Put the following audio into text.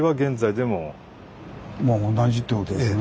あ同じってことですよね。